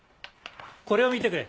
これを見てくれ。